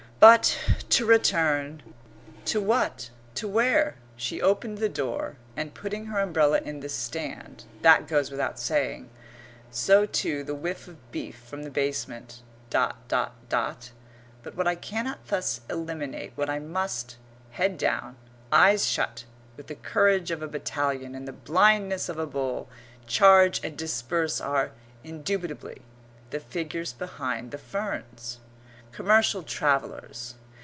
But to return To what, to where? She opened the door, and, putting her umbrella in the stand that goes without saying; so, too, the whiff of beef from the basement; dot, dot, dot. But what I cannot thus eliminate, what I must, head down, eyes shut, with the courage of a battalion and the blindness of a bull, charge and disperse are, indubitably, the figures behind the ferns, commercial travellers.